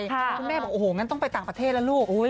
คุณแม่บอกโอ้โหงั้นต้องไปต่างประเทศแล้วลูก